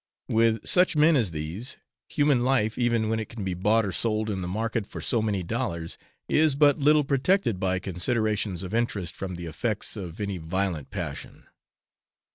With such men as these, human life, even when it can be bought or sold in the market for so many dollars, is but little protected by considerations of interest from the effects of any violent passion.